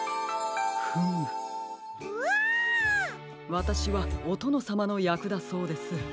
わたしはおとのさまのやくだそうです。